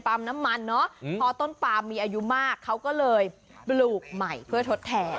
น้ำมันเนาะพอต้นปามมีอายุมากเขาก็เลยปลูกใหม่เพื่อทดแทน